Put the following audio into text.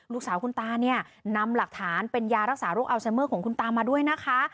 ลูกสาวคุณตาเนี่ยนำหลักฐานเป็นยารักษาโรคอัลไซเมอร์ของคุณตามาด้วยนะคะ